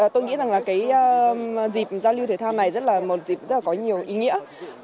tôi nghĩ rằng dịp giao lưu thể thao này là một dịp rất là có nhiều ý nghĩa